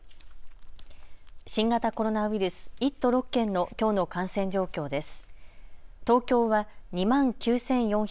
新型コロナウイルス、１都６県のきょうの感染状況です。